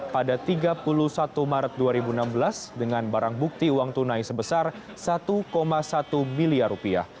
pada tiga puluh satu maret dua ribu enam belas dengan barang bukti uang tunai sebesar satu satu miliar rupiah